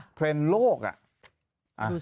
เทรนด์โลกอ่ะ